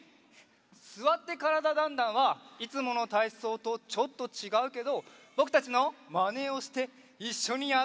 「すわってからだ★ダンダン」はいつものたいそうとちょっとちがうけどぼくたちのまねをしていっしょにやってね！